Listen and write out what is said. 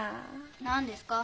何ですか？